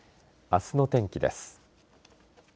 あすの天気です。